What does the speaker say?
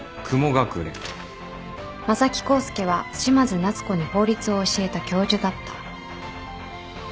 正木浩介は嶋津奈都子に法律を教えた教授だった。